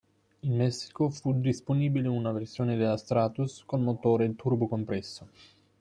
In Messico fu disponibile una versione della Stratus con motore turbocompresso.